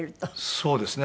そうですね。